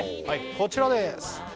こちらです